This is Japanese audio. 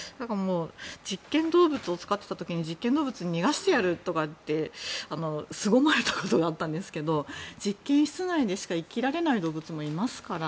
実験動物を使っていた時に実験動物を逃がしてやるってすごまれたことがあったんですが実験室内でしか生きられない動物もいますから